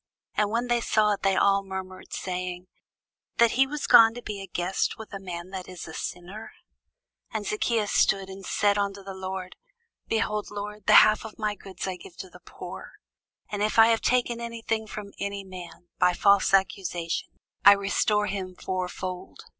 And when they saw it, they all murmured, saying, That he was gone to be guest with a man that is a sinner. And Zacchæus stood, and said unto the Lord; Behold, Lord, the half of my goods I give to the poor; and if I have taken any thing from any man by false accusation, I restore him fourfold.